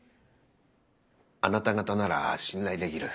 あなた方なら信頼できる。